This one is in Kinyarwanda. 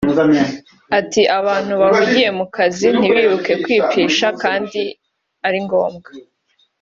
Ati “Abantu bahugira mu kazi ntibibuke kwipisha kandi ari ngombwa